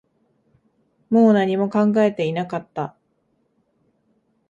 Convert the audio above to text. もう何も考えていなかった